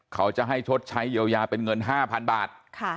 เขาจะให้ชดใช้เยียวยาเป็นเงิน๕๐๐๐บาท